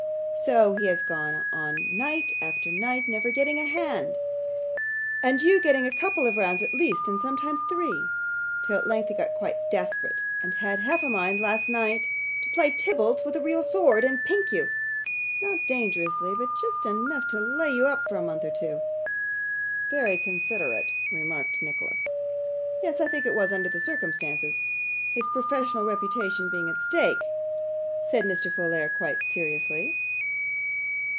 So he has gone on night after night, never getting a hand, and you getting a couple of rounds at least, and sometimes three, till at length he got quite desperate, and had half a mind last night to play Tybalt with a real sword, and pink you not dangerously, but just enough to lay you up for a month or two.' 'Very considerate,' remarked Nicholas. 'Yes, I think it was under the circumstances; his professional reputation being at stake,' said Mr. Folair, quite seriously.